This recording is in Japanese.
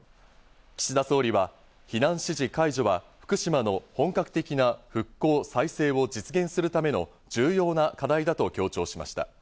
岸田総理は避難指示解除は福島の本格的な復興再生を実現するための重要な課題だと強調しました。